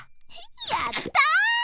やったぁ！